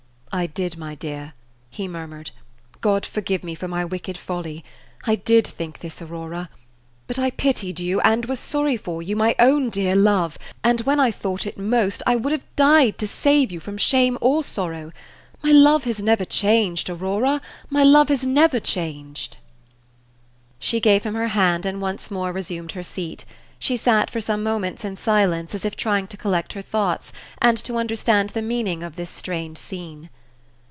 "I did, my dear," he murmured; "God forgive me for my wicked folly; I did think this, Aurora. But I pitied you, and was sorry for you, my own dear love; and when I thought it most, I would have died to save you from shame or sorrow. My love has never changed, Aurora; my love has never changed." She gave him her hand, and once more resumed her seat. She sat for some moments in silence, as if trying to collect her thoughts, and to understand the meaning of this strange scene.